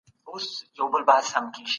دا نمونه ډېره پخوانۍ ده بلکي دا بله یې ښه ده.